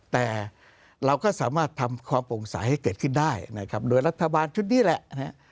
แต่เราก็สามารถทำความโปร่งใสให้เกิดขึ้นได้นะครับโดยรัฐบาลชุดนี้แหละนะฮะ